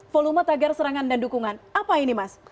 volume tagar serangan dan dukungan apa ini mas